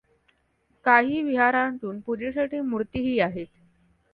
काही विहारांतून पूजेसाठी मूर्तीही आहेत.